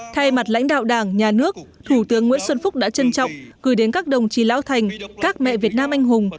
thay mặt lãnh đạo đảng nhà nước thủ tướng nguyễn xuân phúc đã trân trọng gửi đến các đồng chí lão thành các mẹ việt nam anh hùng